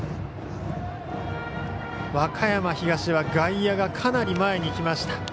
和歌山東は外野がかなり前に来ました。